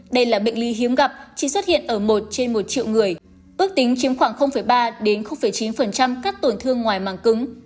đây là bệnh lý hiếm gặp chỉ xuất hiện ở một trên một triệu người ước tính chiếm khoảng ba chín các tổn thương ngoài màng cứng